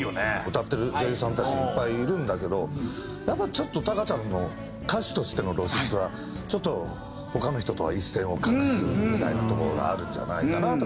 歌ってる女優さんたちいっぱいいるんだけどやっぱりちょっとたかちゃんの歌手としての露出はちょっと他の人とは一線を画すみたいなところがあるんじゃないかなと。